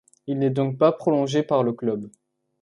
Il n'est donc pas prolongé par le club.